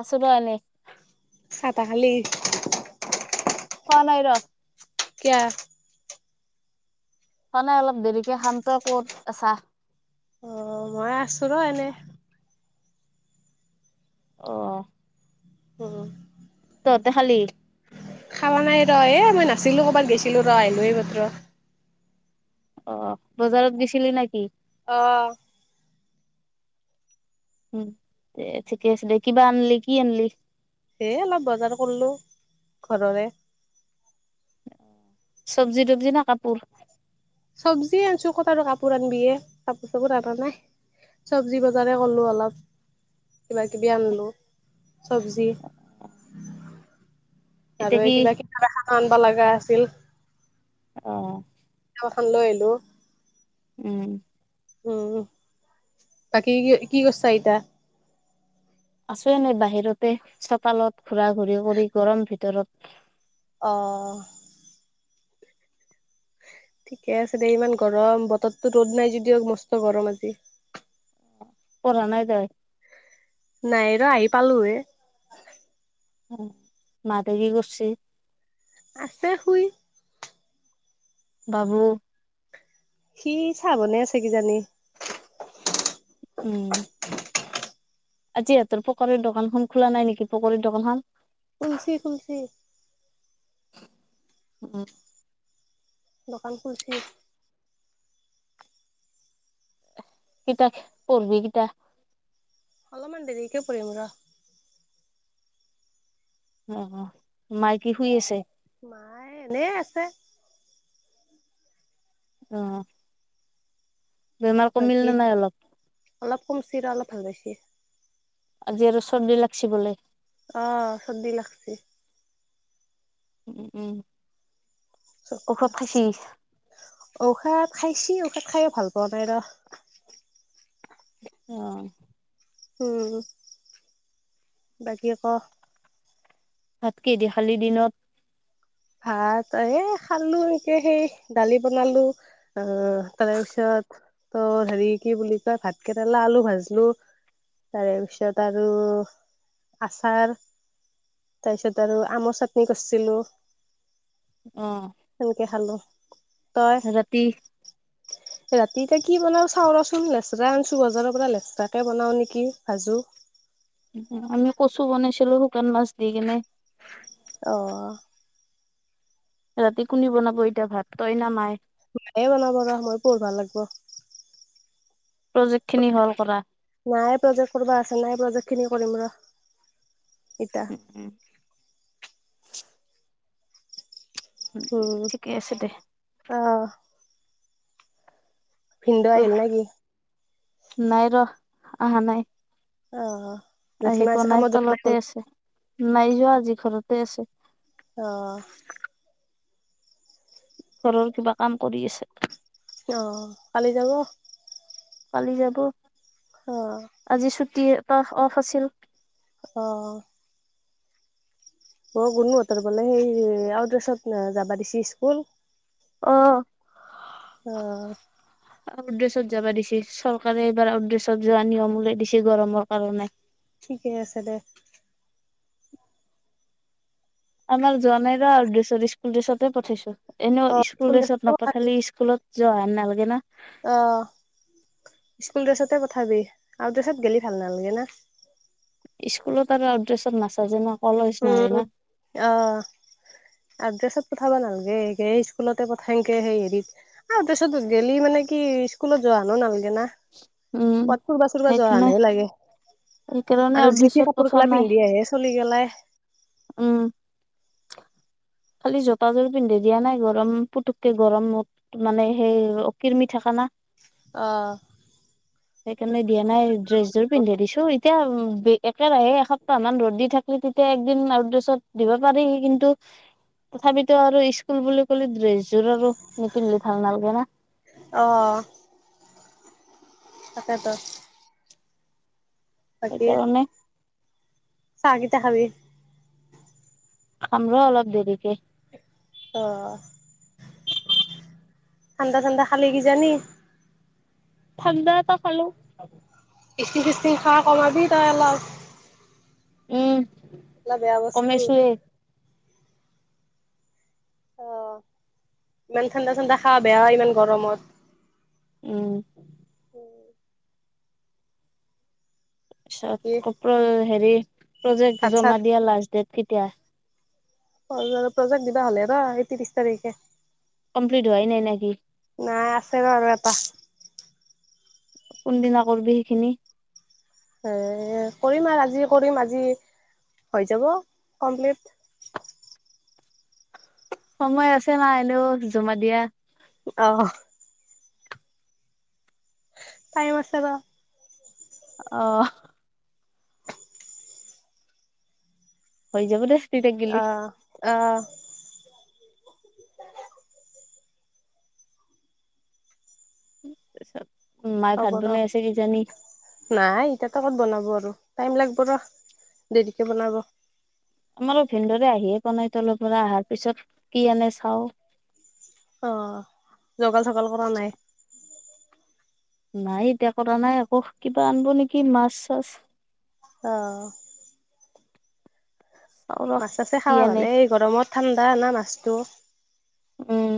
আছো দিয়া এনেই। ছা তা খালি? খোৱা নাই ৰ। কিয়? মানে অলপ দেৰিকে শান্ত কৰত চাহ। অ, মই আছো ৰ এনেই। আহ,। উম। ততে খালি? খাৱা নাই ৰ এ মই নাছিলো কৰ'বাত গৈছিলো ৰ আহিলো এই মাএ অ, বজাৰত গেছিলি নেকি? অঁ। উম তে ঠিকে আছে দে, কিবা আনিলি কি আনিলি? সে অলপ বজাৰ কৰলো ঘৰৰে। চব্জি-তবজি না কাপোৰ? চব্জিয় আনিছো কট আৰু কাপোৰ আনিবিয়ে, কাপোৰ-চাপোৰ অনা নাই। চবজি বজাৰ কলো অলপ কিবা-কিবি আনিলো চবজি। এতিয়া আৰু কি কিবা কিব আনিবা লগা আছিল। আহ। খন লৈ আহিলোঁ। উম। উম। বাকী কি কি কৰিছা ইতয়া? আছো, এনেই বাহিৰতে চতালত ঘুৰা-ঘূৰি কৰি গৰম ভিতৰত। অহ। ঠিকে আছে দে, ইমান গৰম বতৰতো ৰ'দ নাই যদিও মস্ত গৰম আজি। পঢ় নাই যায়? নাই ৰ আহি পালো হে। উম মা হঁতে কি কৰছে? আছে শুই। বাবু? সি চাহ বনাই আছে, কিজানি। উম'। আজি ইহঁতৰ পকৰীৰ দোকান খন খোলা নাই নেকি? পকৰীৰ দোকানখন? খুলিছে, খুলিছে। উম। দোকান খুলিছি। কিতাপ পঢ়িবি কেতিয়া? অলপমান দেৰিকে পঢ়িম ৰ। অ, মাই কি শুই আছে? মাই, এনে আছে। আহ। বেমাৰ কমিল নে নাই অলপ? কমচি আৰু অলপ ভাল পাইছে। আজি আৰু চৰ্দি লাগছে বলে। আহ, চৰ্দি লাগছে। উম, উম। ঔষধ খাইছি ঔষধ খাইছি। ত খাইে ভাল পাওঁ নাই ৰ। আহ। উম, বাকী ক ভাত কিদি খালি দিনত? ভাত এ খালোঁ এনেকে সেই দালি বনালোঁ অ তাৰে পিছত ত হেৰি কি বুলি কয় ভাত কেৰেলা আলু ভাজলো তাৰে পিছত আৰু আচাৰ তাৰপিছত আৰু আমৰ চাটনি কৰিছিলোঁ। অ সেনেকে খালোঁ ৰাতি ৰাতিতে কি বনাও চাউ ৰচোন লেচৰা আনছো বজাৰৰ পৰা লেচেৰাকে বনাও নেকি ভাজো আমি কচু বনাইছিলোঁ শুকান মাছ দি কিনে অহ ৰাতি কোনে বনাব এতিয়া ভাত তই না মাই মায়ে বনাব আৰু মই পঢ়িব লাগিব প্ৰজেক্ট খিনি হল কৰা নাই প্ৰজেক্ট কৰবা আছে নাই প্ৰজেক্ট খিনি কৰিম ৰ এতিয়া উম ঠিকে আছে দে অ ভিনদেও উহ, আহিল নে কি? নাই ৰ আহা নাই অ অ আহি পোৱানাই তলতে আছে নাই যোৱা আজি ঘৰতে আছে অ ঘৰৰ কিবা কাম কৰি আছে অ কালি যাব কালি যাব অ টিৰ ট অফ আছিল অহ অ গুনোহঁতৰ বোলে সেই আউটড্ৰেছত যাবা দিছে স্কুল অ অহ আউটড্ৰেছত যাব দিছে চৰকাৰে এইবাৰ আউটড্ৰেছত যোৱা নিয়ম উলাই দিছে গৰমৰ কাৰণে ঠিকেই আছে দে আমাৰ যোৱা নাই ৰ আউটড্ৰেছত স্কুল ড্ৰেছতে পঠাইছো এনেও অ স্কুল ড্ৰেছতে ড্ৰেছত পঠাই দিম। নপঠালে স্কুলত যোৱা নাল গে না অ স্কুল ড্ৰেছতে পঠাবি আউটড্ৰেছত গেলি ভাল নালাগে না স্কুলত আৰু আউটড্ৰেছত নাচাজে ন উম অহ আউটড্ৰেছত পঠাবা নালাগে স্কুলতে পঠায়ংতে সেই হেৰি আউটড্ৰেছতগেলি মানে কি স্কুলত যোৱানো নালাগে। না উম পত ফুৰ্বা চুৰবা সেইকাৰণে যোৱাহেনহে লাগে। সেইকাৰণে আৰু যি - তি আউটড্ৰেছত কাপোৰ পঠোৱা কালা নাই পিন্ধি আহে চলি গেলাই। উম ', খালি জোতাযোৰ পিন্ধি দিয়া নাই গৰম পুতুককে গৰমত মানে সেই কিৰমি থকা না। অ সেইকাৰণে দিয়া নাই ড্ৰেছযোৰ পিন্ধি দিছো। এতিয়া একেৰাহে এসপ্তাহ মান ৰ'দ দি থাকিলি তেতিয়া একদিন আউটডেছত দিব পাৰি কিন্তু তথাপিতো আৰু স্কুল বুলি কলে ড্ৰেছ। জোৰো নিপিন্ধিলে ভাল নালাগে না অ তাকেত সেইকাৰণে চাহ কেতিয়া খাবি? খাম ৰ অলপ দেৰিকে। অহ ', ঠাণ্ডা- ঠাণ্ডা খালি কিজানি? ঠাণ্ডাটা খালো। ষ্টিং চিষ্টিং খাৱা কমাবি তই অলপ। উম', এগলা বেয়া বস্তু কমাইছোয়ে অহ ', ইমান ঠাণ্ডা- ঠাণ্ডা খাৱা বেয়া ইমান গৰমত। উম', বাকী তাৰপিছত কপ হেৰি প্ৰজেক্ট ভাত চাত জমা দিয়া লাষ্ট ডেট। কেতিয়া? অহ ', প্ৰজে্ট দিবা হলে ন এই ত্ৰিশ তাৰিখে। কম্প্লিট হোয়াই নাই না কি? নাই আছে ৰ আৰু আৰু এটা। কোনদিনা কৰবি সেইখিনি? হে ', কৰিম আৰু আজি কৰিম আজি হৈ যাব কমপ্লিট। সময় আছে না এনেও জমা দিয়া। অহ ', টাইম আছে ৰ। অহ ', হৈ যাব দে। তেতিয়া গিলি অহ - অহ চব হ'ব ৰ নাই ইততে ক'ত বনাব আৰু। টাইম লাগিব ৰ দেৰিকৈ বনাব। আমাৰো ভিনদৰে আহিয়ে পোৱা নাই তলৰ পৰা আহাৰ পিছত কি আনে চাও। অহ ', জগাল চগাল কৰা নাই। নাই এতিয়া কৰা নাই আকৌ কিবা আনিব নেকি মাছ চাছ। অহ ', চাও ৰ মাছ ছাছে কি খাবা আনে ভালে এই গৰমত ঠাণ্ডা অনা মাছটো উম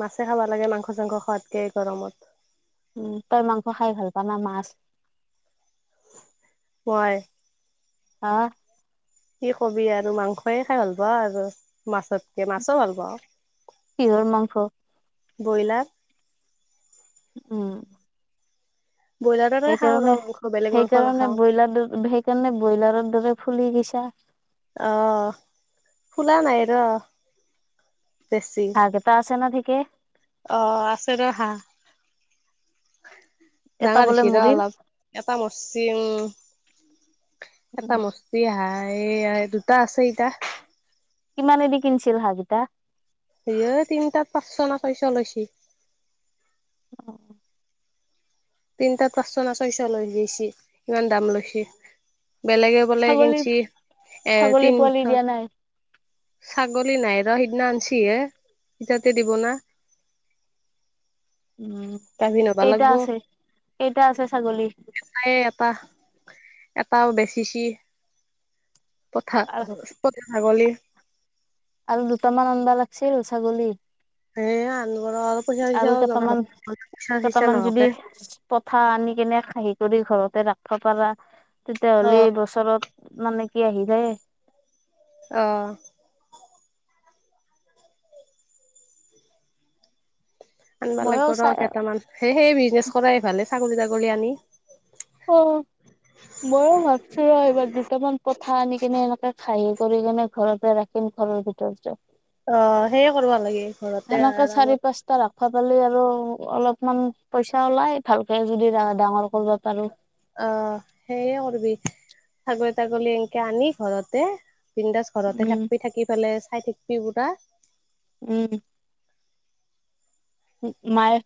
মাছে খাব লাগে মাংস চাংস খোৱাতকে গৰমত। উম তই মাংস খাই ভাল পাৱা নে মাছ? হয় হা। কি কবি আৰু মাংসই খাই ভাল পাওঁ আৰু মাছতকে মাছো ভাল পাওঁ। কিহৰ মাংস। ব্ৰইলাৰ। উম। ব্ৰইলাৰটোকে খাওঁ ৰ সেইকাৰণে মাংস বেলেগ মাংস সেইকাৰণে নাখাওঁ ব্ৰইলাৰ দৰে সেইকাৰণে ব্ৰইলাৰৰ দৰে ফুলি গৈছে। চাৰ। অহ ফোলা নাই ৰ। বেছি হয়ে ত আছে ন। তাকে। অ আছে ৰ হা। এটা ডাঙা বোলে দেখিৰা মৰিল অলপ এটা মচিমম। [unintelligible] এটা মস্তি অহা। এয়া এটো। ত আছে এইটা। কিমানে দিক কিনচিল হাহঁকেইটা। স তিনিটাত পাঁচচ ন ছয়চ লৈছিল। [unintelligible] তিনিটা পাঁচশ ন ছয়শ লৈ গেছি ইমান দাম লৈছে। বেলেগে বোলে ছাগলী কিঞ্চি এ ছাগলী পোৱালি তিনিশ। দিয়া নাই ছাগলী নাইৰ সিদিনা আনছিহে ইজাতে দিব না। উম গাভিন হবা এইটা লাগব আছে এইটা আছে ছাগলী। তাই এটা এটাও বেছিছি। পথা। আগলি। আৰু দুটামান আডা লাগছে ৰ ছাগলী। এ আনব ৰ আৰু পইচা আৰু চইচাও যোগাৰ কেইটামান হ'ব। পইচা চইচা কেইটামান যদি নহকে পঠ আনি কেনে খহী কৰি। ঘৰতে ৰাফ পাৰা। তেতিয়া অ হ'লে এই বছৰত। মানে কি আহিল। অহ। আনিবা লাগিব মইও ৰ চাই কেইটামান সেই সেই মিজ। বিজনেছ কৰাই ভালে ছাগলী তাগলী আনি। অ ময়ো ভাবছো ৰ এইবাৰ দুটামান পঠা আনি কিনে এনেকে খাহী কৰি কেনে ঘৰতে ৰাখিম ঘৰৰ ভিতৰতে। অ সেইয়ে কৰিব লাগে। ঘৰতে সেনেকে চাৰি আৰামত পাঁচটা ৰাখত। পালি আৰু অলপমান পইচা ওলাই ভালকে যদি ডাঙৰ কৰিবা পাৰো। অ সেইয়ে কৰবি ছাগলী তাগলী এনকে আনি ঘৰতে। ন দছ ঘৰতে উম থাকি থাকি পেলে। খাই থাকিবি পোৱা। উম। মায়ে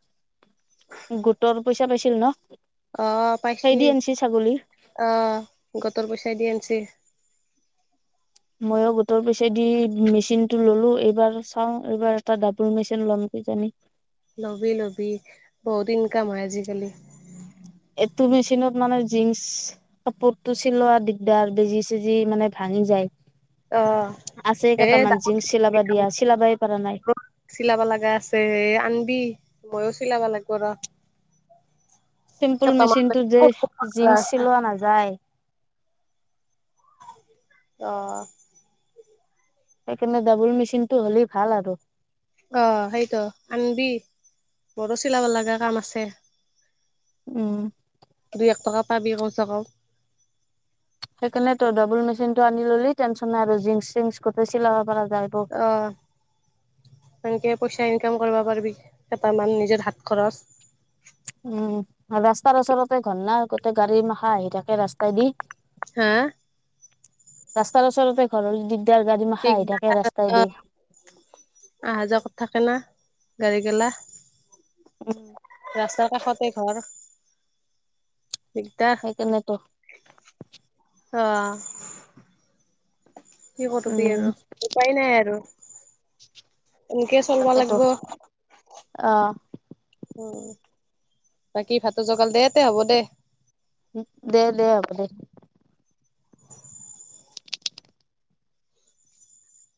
গোটৰ পইচা পাইছিল ন। অ সেই দি পাইছিল আনিছি ছাগলী অহ গ। তোৰ পইচা দিয় আনিছে। ময়ো গোটৰ পইছে দি মেচিনটো ললো এইবাৰ চাও এইবাৰ এটা ডাবল মেচিন লম কি জানি। ল'বি ল'বি বহুত ইনকম হয় আজিকালি। এইটো মেচিনত মানে জীনচ কাপোৰতটো চিলোৱা দিগদাৰ বেজি চেজি মানে ভাঙি যায় অ আছে এ ড কেইটামান জিন্ক চিলাব দিয়া চিলাবই পৰা নাই চিলাব লগা আছে এ আনিবি মইয়ো। চিলাবালা লাগবৰ। চিম্পুল মেচিনটো যে জিন্স আছে চিলোৱা নাযায়। অ'। সেইকাৰণে ডাবল মেচিনটো হ'লেই ভাল আৰু। অ সেইটো আনিবি মোৰো চিলাব লগা কাম আছে। উম তই এক টকা পাবি ক। চাব। সেইকাৰণে তই ডাবল মেচিন টো আনি ললি টনচন নাই আৰু জিং চিং ক চিলাব পৰা। যায় অ সংকে পোচাই। কাম কৰিব পাৰিবি কেইটামান নিজৰ হাত খৰচ। উম ৰাস্তাৰ ওচৰতে ঘন নাই গোতেই গাড়ী মাখা আহি থাকে। তাকে ৰাস্তাই দি। হা। ৰাস্তাৰচলতে ঘৰৰ যদি। ঠিক দে অহা যোৱা থাকে না। গাড়িকেলা। উম ৰাস্তাৰ কাষতে ঘৰ। দিগদাৰ সেইকাৰণে তো। অঁ। কি কৰবি আৰু উম উপায় নাই আৰু। এনেকে চলোৱালক। অহ। উ। বাকী ভাতটো জগাল দে তে হ'ব দে। দে দে হ'ব দে।